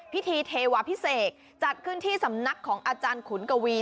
เทวาพิเศษจัดขึ้นที่สำนักของอาจารย์ขุนกวี